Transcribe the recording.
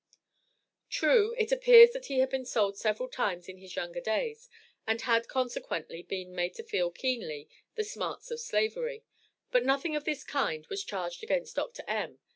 True, it appears that he had been sold several times in his younger days, and had consequently been made to feel keenly, the smarts of Slavery, but nothing of this kind was charged against Dr. M.